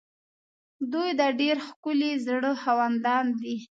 دوی د ډېر ښکلي زړه خاوندان دي.